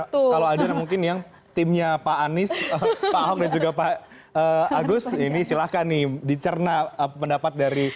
kalau ada mungkin yang timnya pak anies pak ahok dan juga pak agus ini silahkan nih dicerna pendapat dari